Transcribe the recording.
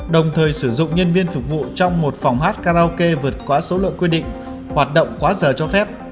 đồng thời sử dụng nhân viên phục vụ trong một phòng hát karaoke vượt quá số lượng quy định hoạt động quá giờ cho phép